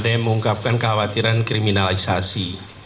ada yang mengungkapkan kekhawatiran kriminalisasi